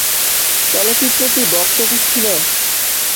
চলচ্চিত্রটি box office ছিলো।